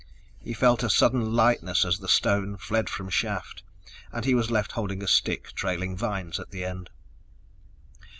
He felt a sudden lightness as the stone fled from shaft, and he was left holding a stick trailing vines at the end.